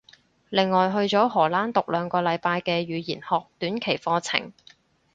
另外去咗荷蘭讀兩個禮拜嘅語言學短期課程